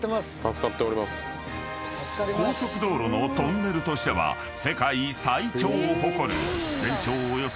［高速道路のトンネルとしては世界最長を誇る］